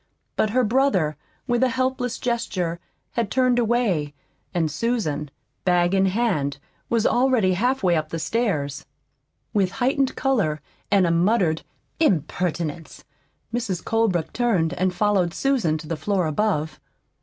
But her brother, with a helpless gesture, had turned away, and Susan, bag in hand, was already halfway up the stairs. With heightened color and a muttered "Impertinence!" Mrs. Colebrook turned and followed Susan to the floor above.